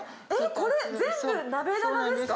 これ全部鍋棚ですか？